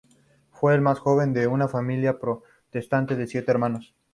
Fue el más joven de una familia protestante de siete hermanos.